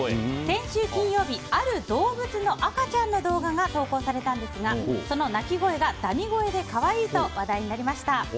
先週金曜日ある動物の赤ちゃんの動画が投稿されたんですがその鳴き声が、ダミ声で可愛いと話題になりました。